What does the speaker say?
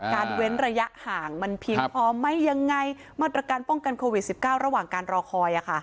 การเว้นระยะห่างมันพิมพ์พร้อมไหมยังไงมาตรการป้องกันโควิดสิบเก้าระหว่างการรอคอยอะค่ะ